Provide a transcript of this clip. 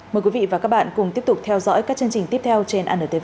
mời quý vị và các bạn cùng tiếp tục theo dõi các chương trình tiếp theo trên antv